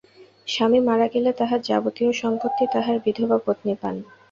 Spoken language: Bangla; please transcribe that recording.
স্বামী মারা গেলে তাঁহার যাবতীয় সম্পত্তি তাঁহার বিধবা পত্নী পান।